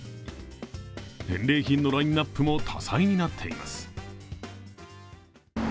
返礼品のラインナップも多彩になっています。